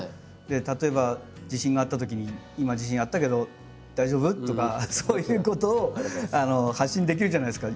例えば地震があったときに「今地震あったけど大丈夫？」とかそういうことを発信できるじゃないですか。